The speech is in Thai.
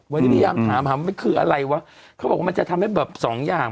วันนี้พยายามถามหามันคืออะไรวะเขาบอกว่ามันจะทำให้แบบสองอย่าง